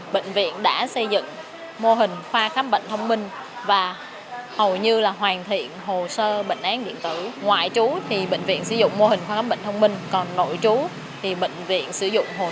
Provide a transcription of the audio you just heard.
bệnh viện sử dụng mô hình khoa khám bệnh thông minh còn nội trú thì bệnh viện sử dụng hồ sơ bệnh án điện tử